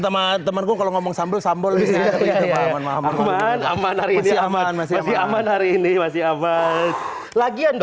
memang ada temen temenku kalau ngomong sambal sambal masih aman hari ini masih aman lagian